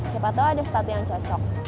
siapa tahu ada sepatu yang cocok